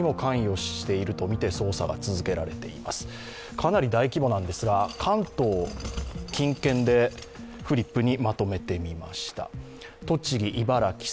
かなり大規模なんですが、関東近県でフリップにまとめてみました。